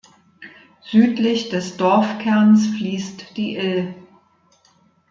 Südlich des Dorfkerns fließt die Ill.